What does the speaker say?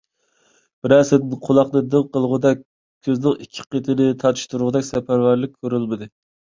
بىرەسىدىن قۇلاقنى دىڭ قىلغۇدەك، كۆزنىڭ ئىككى قېتىنى تارتىشتۇرغىدەك سەپەرۋەرلىك كۆرۈلمىدى.